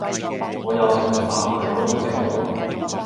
我有成盒髮泥都唔識用